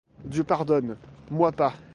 Dieu pardonne... moi pas!